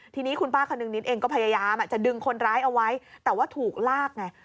ทีนี้คุณป้าคนนึงนิดเองก็พยายามจะดึงคนร้ายเอาไว้แต่ว่าถูกลากไง